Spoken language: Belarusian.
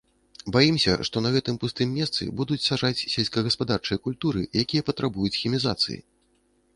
Баімся, што на гэтым пустым месцы будуць саджаць сельскагаспадарчыя культуры, якія патрабуюць хімізацыі.